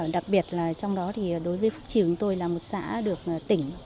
đặc biệt trong đó đối với phúc triều tôi là một xã được tỉnh